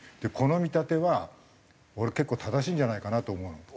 この見立ては俺結構正しいんじゃないかなと思うの。